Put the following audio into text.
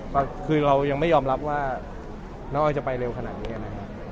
ก็คือเรายังไม่ยอมรับว่าน้องอ้อยจะไปเร็วขนาดนี้นะครับ